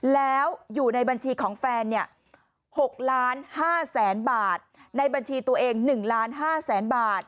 แล้วอยู่ในบัญชีของแฟน๖ล้าน๕แสนบาทในบัญชีตัวเอง๑ล้าน๕แสนบาท